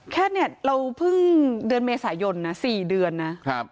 แค่เนี่ยเราเพิ่งเดือนเมษายนนะ๔เดือนนะ